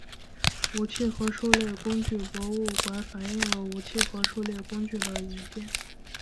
武器和狩猎工具博物馆反映了武器和狩猎工具的演变。